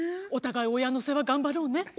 お互い親の世話頑張ろうね。